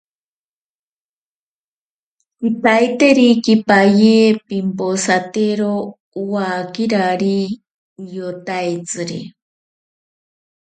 Kitaiterikipaye pimposaktero owakirari iyotaitsiri.